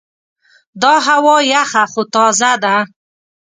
دا هوا یخه خو تازه ده.